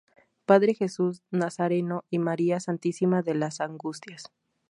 Padre Jesús Nazareno y María Santísima de las Angustias.